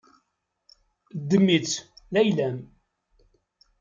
Ddem-itt d ayla-m.